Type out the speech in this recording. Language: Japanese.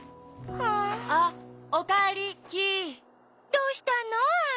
どうしたの？アオ。